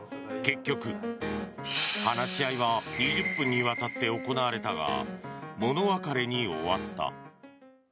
結局、話し合いは２０分にわたって行われたが物別れに終わった。